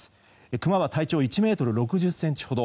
クマは体長１ｍ６０ｃｍほど。